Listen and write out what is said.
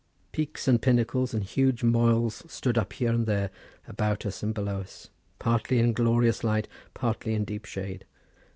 Peaks and pinnacles and huge moels stood up here and there, about us and below us, partly in glorious light, partly in deep shade.